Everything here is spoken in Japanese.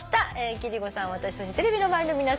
貴理子さん私そしてテレビの前の皆さん